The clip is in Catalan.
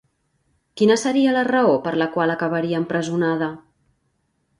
Quina seria la raó per la qual acabaria empresonada?